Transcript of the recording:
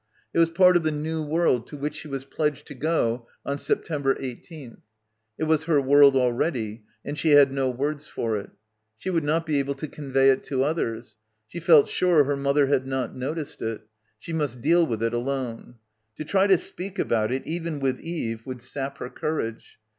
It was part of the new world to which she was pledged to go on September 18th. It was her world already; and she had no words for it. She would not be able to convey it to others. She felt sure her mother had not noticed it. She must deal with it alone. To try to speak about it, even with Eve, would sap her courage.